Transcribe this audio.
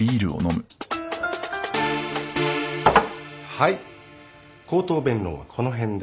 はい口頭弁論はこの辺で。